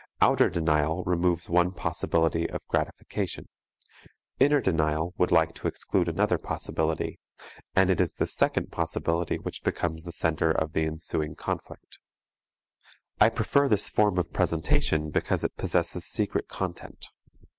Outer denial removes one possibility of gratification, inner denial would like to exclude another possibility, and it is this second possibility which becomes the center of the ensuing conflict. I prefer this form of presentation because it possesses secret content.